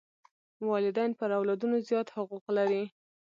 والدین پر اولادونو زیات حقوق لري.